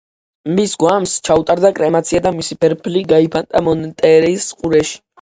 მისი გვამს ჩაუტარდა კრემაცია და მისი ფერფლი გაიფანტა მონტერეის ყურეში.